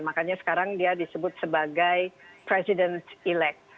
makanya sekarang dia disebut sebagai president elect